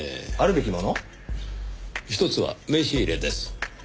ひとつは名刺入れです。